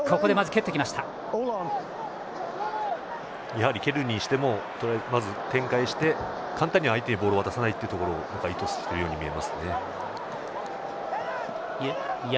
蹴るにしてもまず展開して簡単に相手にボールを渡さないことを意図しているように見えます。